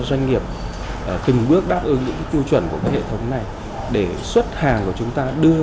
các doanh nghiệp từng bước đáp ứng những quy chuẩn của các hệ thống này để xuất hàng của chúng ta đưa